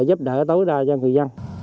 giúp đỡ tối đa cho người dân